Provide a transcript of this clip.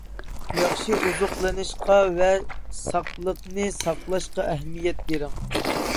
ياخشى ئوزۇقلىنىشقا ۋە ساقلىقنى ساقلاشقا ئەھمىيەت بېرىڭ.